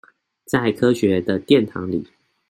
在科學的殿堂裡